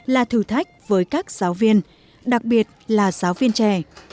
là thử thách với các giáo viên đặc biệt là giáo viên trẻ